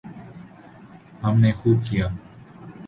ہم نے خوب کیا۔